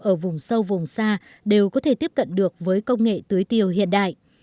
ở vùng sâu vùng xa đều có thể tiếp cận được với công nghệ tưới tiêu hiện đại